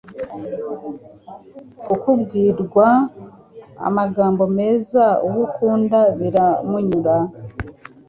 Kubwirwa amagambo meza uwo ukunda biramunyura